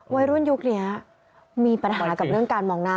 วัยรุ่นยุคนี้มีปัญหากับเรื่องการมองหน้า